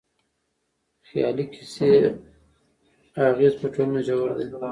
د خيالي کيسو اغېز په ټولنه ژور دی.